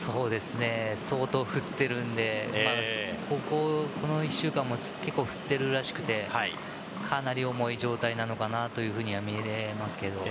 相当降っているのでこの１週間も結構降っているらしくてかなり重い状態なのかなというふうに見えます。